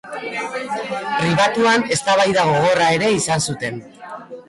Pribatuan eztabaida gogorra ere izan zuten.